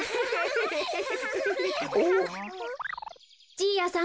じいやさん！